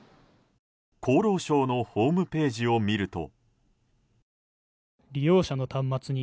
厚労省のホームページを見ると。